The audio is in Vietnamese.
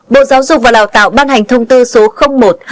bộ giáo dục và lào tạo ban hành thông tư số một hai nghìn hai mươi bốn